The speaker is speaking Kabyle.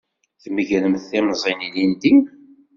Tmegremt timẓin ilindi?